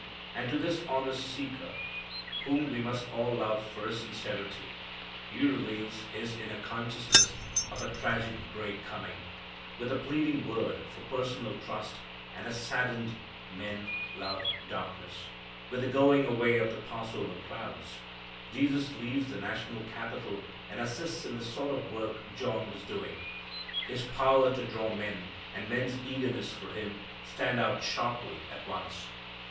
And to this honest seeker, whom we must all love for his sincerity, He reveals His inner consciousness of a tragic break coming, with a pleading word for personal trust, and a saddened "men love darkness." With the going away of the Passover crowds, Jesus leaves the national capital, and assists in the sort of work John was doing. His power to draw men, and men's eagerness for Him, stand out sharply at once.